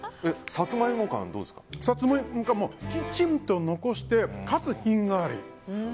さつまいも感もきちんと残してかつ品がある。